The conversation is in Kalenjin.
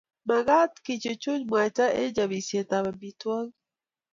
Magat kechuchuch mwaita eng chobisietab amitwogik